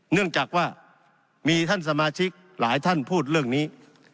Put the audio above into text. เนื่องจากว่ามีท่านสมาชิกหลายท่านพูดเรื่องนี้